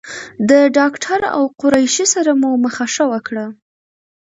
د ډاکټر او قریشي سره مو مخه ښه وکړه.